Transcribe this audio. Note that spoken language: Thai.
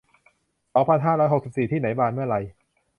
สองพันห้าร้อยหกสิบสี่ ที่ไหนบานเมื่อไร